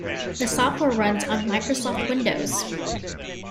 The software runs on Microsoft Windows.